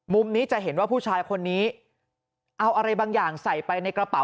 มุมนี้จะเห็นว่าผู้ชายคนนี้เอาอะไรบางอย่างใส่ไปในกระเป๋า